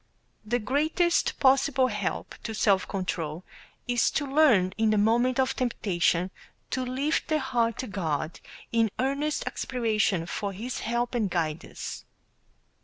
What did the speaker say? The greatest possible help to self control is to learn in the moment of temptation to lift the heart to God in earnest aspiration for His help and guidance.